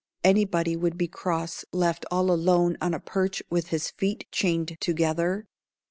Anybody would be cross left all alone on a perch with his feet chained together."